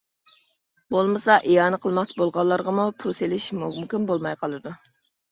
بولمىسا، ئىئانە قىلماقچى بولغانلارغىمۇ پۇل سېلىش مۇمكىن بولماي قالىدۇ.